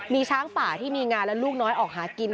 มีช้างป่าที่มีงานและลูกน้อยออกหากิน